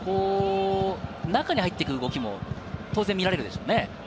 中に入っていく動きも当然見られるでしょうね。